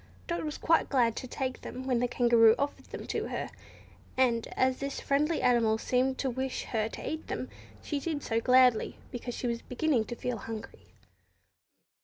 Dot was quite glad to take them when the Kangaroo offered them to her; and as this friendly animal seemed to wish her to eat them, she did so gladly, because she was beginning to feel hungry.